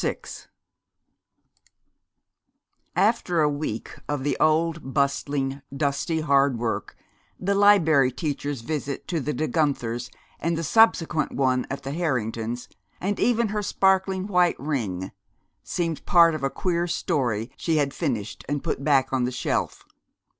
VI After a week of the old bustling, dusty hard work, the Liberry Teacher's visit to the De Guenthers' and the subsequent one at the Harringtons', and even her sparkling white ring, seemed part of a queer story she had finished and put back on the shelf.